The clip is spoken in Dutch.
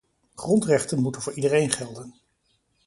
Grondrechten moeten voor iedereen gelden.